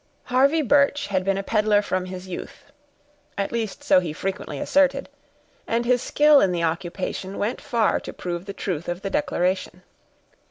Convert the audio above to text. Harvey Birch had been a peddler from his youth; at least so he frequently asserted, and his skill in the occupation went far to prove the truth of the declaration.